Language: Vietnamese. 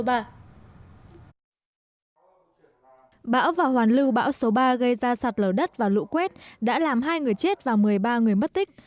bão và hoàn lưu bão số ba gây ra sạt lở đất và lũ quét đã làm hai người chết và một mươi ba người mất tích